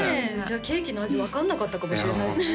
ケーキの味分かんなかったかもしれないですね